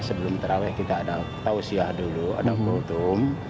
sebelum terawih kita ada tausiah dulu ada khultum